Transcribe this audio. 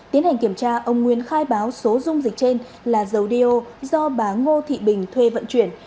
tiến hành kiểm tra ông nguyên khai báo số dung dịch trên là dầu điêu do bà ngô thị bình thuê vận chuyển